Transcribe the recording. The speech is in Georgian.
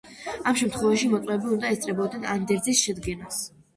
ამ შემთხვევაში მოწმეები უნდა ესწრებოდნენ ანდერძის შედგენას.